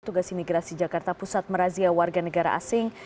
tugas imigrasi jakarta pusat merazia warga negara asing